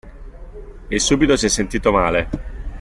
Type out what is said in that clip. E subito si è sentito male.